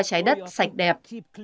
trái đất sạch đẹp